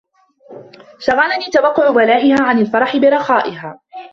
شَغَلَنِي تَوَقُّعُ بَلَائِهَا عَنْ الْفَرَحِ بِرَخَائِهَا